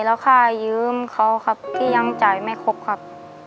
แล้วค่ายืมเขาครับที่ยังจ่ายไม่ครบครับ